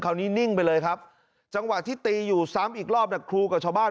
นิ่งไปเลยครับจังหวะที่ตีอยู่ซ้ำอีกรอบครูกับชาวบ้าน